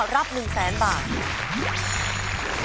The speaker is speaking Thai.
รับ๑๐๐๐๐๐บาท